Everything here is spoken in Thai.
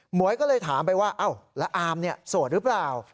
หวยก็เลยถามไปว่าอ้าวแล้วอามเนี่ยโสดหรือเปล่า